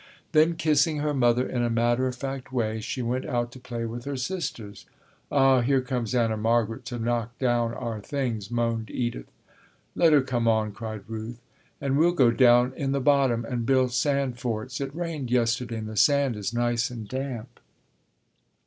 Then kissing her mother in a matter of fact way, she went out to play with her sisters. "Ah, here comes Anna Margaret to knock down our things," moaned Edith. "Let her come on," cried Ruth, "and we'll go down in the bottom and build sand forts; it rained yesterday and the sand is nice and damp."